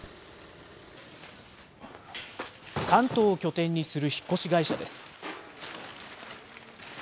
関東を拠点にする引っ越し会社です。